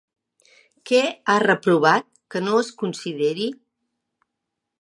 Què ha reprovat que no es consideri?